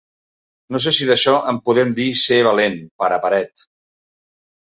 No sé si d'això en podem dir ser valent, pare paret.